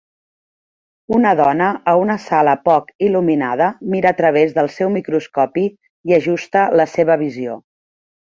Una dona a una sala poc il·luminada mira a través del seu microscopi i ajusta la seva visió